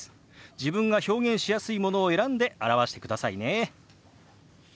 自分が表現しやすいものを選んで表してくださいね。